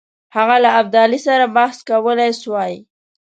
هغه له ابدالي سره بحث کولای سوای.